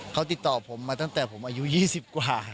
เขาติดต่อผมมาตั้งแต่ผมอายุ๒๐กว่า